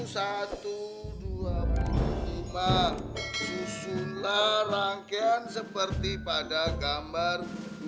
susunlah rangkaian seperti pada gambar dua ratus enam belas